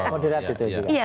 moderat itu juga